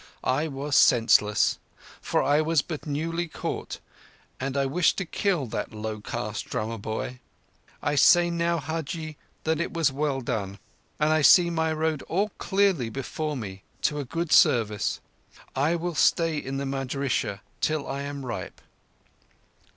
I was senseless; for I was but newly caught, and I wished to kill that low caste drummer boy. I say now, Hajji, that it was well done; and I see my road all clear before me to a good service. I will stay in the madrissah till I am ripe."